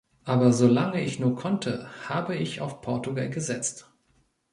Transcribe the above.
Aber solange ich nur konnte, habe ich auf Portugal gesetzt.